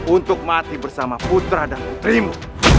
untuk mati bersama putra dan putrimu